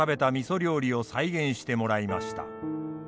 料理を再現してもらいました。